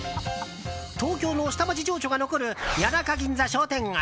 東京の下町情緒が残る谷中銀座商店街。